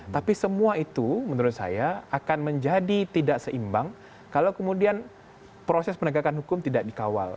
tapi semua itu menurut saya akan menjadi tidak seimbang kalau kemudian proses penegakan hukum tidak dikawal